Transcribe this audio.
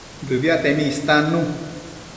Dëbiatemi istannu